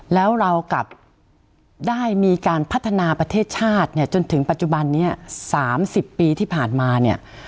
แล้วเรากลับได้มีการพัฒนาประเทศชาติเนี่ยจนถึงปัจจุบันนี้๓๐ปีที่ผ่านมาเนี่ย